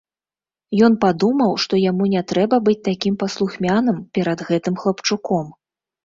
Ён падумаў, што яму не трэба быць такім паслухмяным перад гэтым хлапчуком.